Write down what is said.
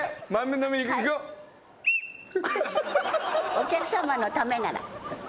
お客さまのためなら。